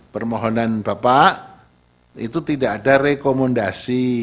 permohonan bapak itu tidak ada rekomendasi